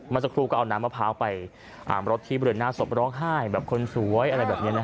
มาสักครู่ก็เอาน้ำมะพร้าวไปอ่ามรสที่เบลือนหน้าศพร้องไห้แบบคนสวย